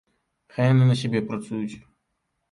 Хай яны на сябе працуюць.